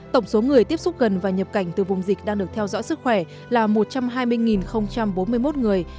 tổng số người tiếp xúc gần và nhập cảnh từ vùng dịch đang được theo dõi sức khỏe là một trăm hai mươi bốn mươi một người